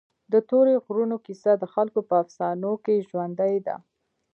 د تورې غرونو کیسه د خلکو په افسانو کې ژوندۍ ده.